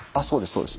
そうです。